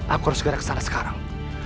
aku harus keadaan kesalahan sekarang